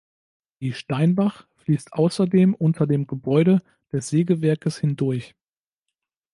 Die Steinbach fließt außerdem unter dem Gebäude des Sägewerkes hindurch.